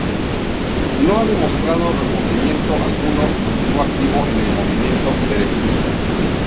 No ha mostrado remordimiento alguno y continúa activo en el movimiento derechista.